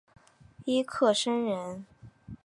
尹克升人。